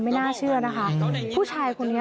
มันแค่เจ้าดูสักที